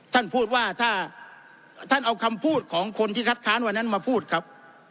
ท่านพูดว่าถ้าท่านเอาคำพูดของคนที่คัดค้านวันนั้นมาพูดครับ